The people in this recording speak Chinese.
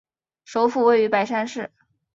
首府位于白山市。